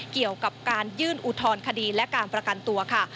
เกี่ยวกับการยื่นอุทธรณคดีและการประกันตัวค่ะ